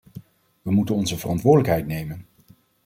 We moeten onze verantwoordelijkheid nemen.